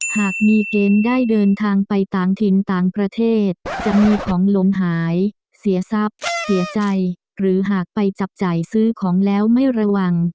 หากมีเกณฑ์ได้เดินทางไปต่างถิ่นต่างประเทศจะมีของหลงหายเสียทรัพย์เสียใจหรือหากไปจับจ่ายซื้อของแล้วไม่ระวัง